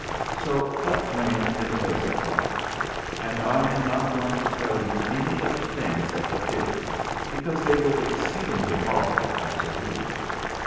So Phutt reigned in place of Brok ; and I am not going to tell you any of the things that he did, because they were exceedingly horrid as a rule.